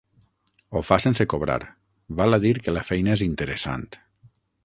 Ho fa sense cobrar: val a dir que la feina és interessant.